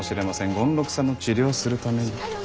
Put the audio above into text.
権六さんの治療をするために。